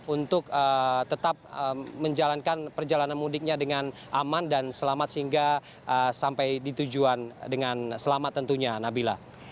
untuk tetap menjalankan perjalanan mudiknya dengan aman dan selamat sehingga sampai di tujuan dengan selamat tentunya nabila